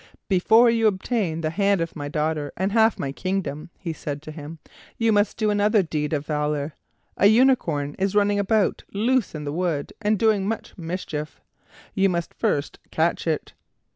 "Before you obtain the hand of my daughter and half my kingdom," he said to him, "you must do another deed of valor. A unicorn is running about loose in the wood and doing much mischief; you must first catch it."